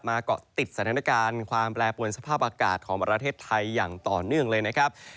เกาะติดสถานการณ์ความแปรปวนสภาพอากาศของประเทศไทยอย่างต่อเนื่องเลยนะครับ